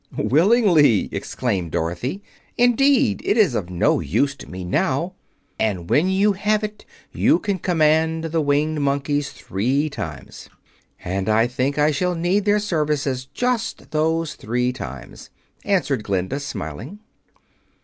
"Willingly!" exclaimed Dorothy; "indeed, it is of no use to me now, and when you have it you can command the Winged Monkeys three times." "And I think I shall need their service just those three times," answered Glinda, smiling.